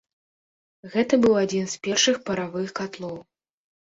Гэта быў адзін з першых паравых катлоў.